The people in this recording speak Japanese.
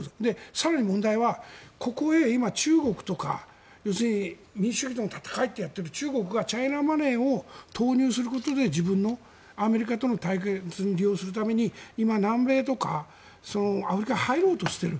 更に今ここに中国とか要するに民主主義との戦いをしている中国がチャイナマネーを投入することで自分のアメリカとの対決に利用するために今、南米とかアフリカに入ろうとしている。